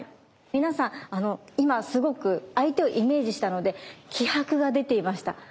皆さん今すごく相手をイメージしたので気迫が出ていました。